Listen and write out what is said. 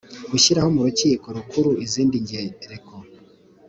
gushyiraho mu Rukiko Rukuru izindi ngereko